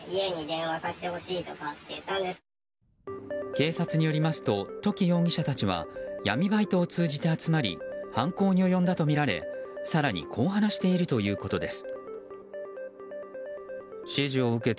警察によりますと土岐容疑者たちは闇バイトを通じて集まり犯行に及んだとみられ更にこう話しているということです。